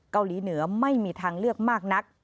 เกาหลีเหนือไม่มีทางเลือกมากนัก